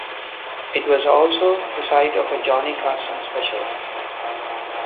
It was also the site of a Johnny Carson special.